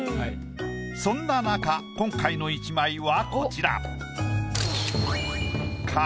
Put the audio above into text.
そんななか今回の一枚はこちら。